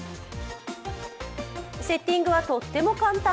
セッティングはとっても簡単。